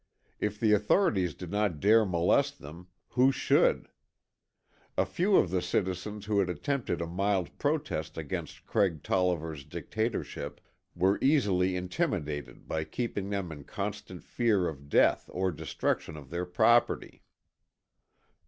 If the authorities did not dare molest them, who should? A few of the citizens who had attempted a mild protest against Craig Tolliver's dictatorship, were easily intimidated by keeping them in constant fear of death or destruction of their property.